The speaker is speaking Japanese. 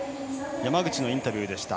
山口のインタビューでした。